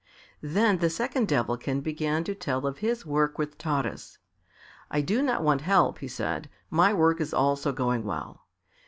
Then the second Devilkin began to tell of his work with Taras. "I do not want help," he said; "my work is also going well.